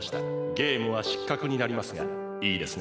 ゲームはしっかくになりますがいいですね？